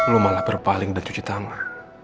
lu malah berpaling dan cuci tangan